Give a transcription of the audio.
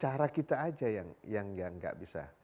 cara kita aja yang nggak bisa